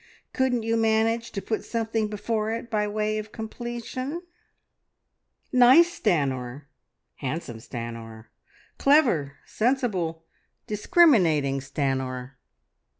Couldn't you manage to put something before it by way, of completion?" "Nice Stanor! Handsome Stanor! Clever, sensible, discriminating Stanor!"